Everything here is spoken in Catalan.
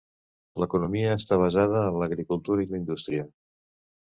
L'economia està basada en l'agricultura i la indústria.